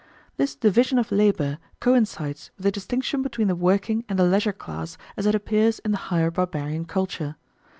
This division of labour coincides with the distinction between the working and the leisure class as it appears in the higher barbarian culture.